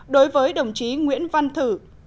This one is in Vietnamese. đối với đồng chí nguyễn văn thử